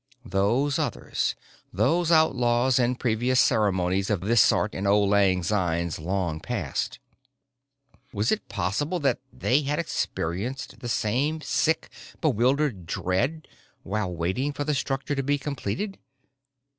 Those others, those outlaws in previous ceremonies of this sort in auld lang synes long past was it possible that they had experienced the same sick, bewildered dread while waiting for the structure to be completed?